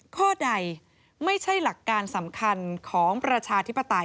ข้อใดไม่ใช่หลักการสำคัญของประชาธิปไตย